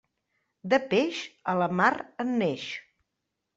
De peix, a la mar en neix.